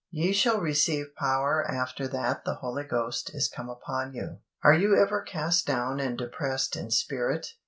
"Ye shall receive power after that the Holy Ghost is come upon you." Are you ever cast down and depressed in spirit?